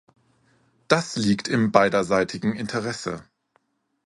Das liegt im beiderseitigen Interesse.